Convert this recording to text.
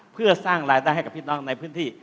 เพื่อสร้างรายได้ให้กับพี่น้องในพื้นที่